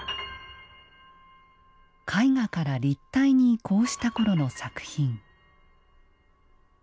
絵画から立体に移行したころの作品。